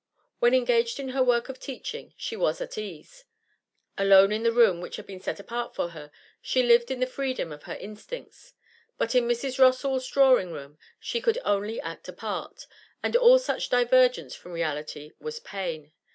When engaged in her work of teaching, she was at ease; alone in the room which had been set apart for her, she lived in the freedom of her instincts; but in Mrs. Rossall's drawing room she could only act a part, and all such divergence from reality was pain.